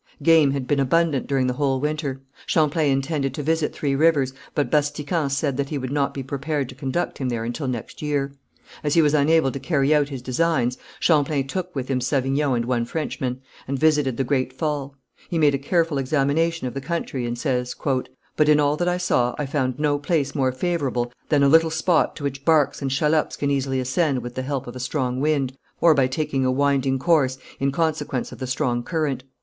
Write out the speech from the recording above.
Game had been abundant during the whole winter. Champlain intended to visit Three Rivers, but Batiscan said that he would not be prepared to conduct him there until next year. As he was unable to carry out his designs, Champlain took with him Savignon and one Frenchman, and visited the great fall. He made a careful examination of the country, and says: "But in all that I saw I found no place more favourable than a little spot to which barques and shallops can easily ascend with the help of a strong wind, or by taking a winding course, in consequence of the strong current.